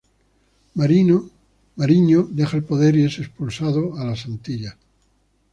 Mariño deja el poder y es expulsado a la Antillas.